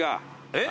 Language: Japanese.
えっ？